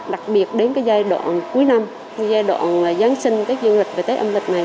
đặc biệt đến giai đoạn cuối năm giai đoạn giáng sinh các dương lịch về tết âm lịch này